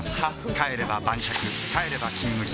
帰れば晩酌帰れば「金麦」